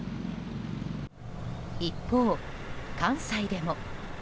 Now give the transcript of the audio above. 一方、関西でも。